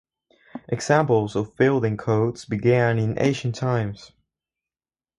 Examples of building codes began in ancient times.